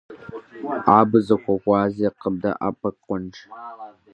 Абы зыхуэгъази къыбдэӀэпыкъунщ.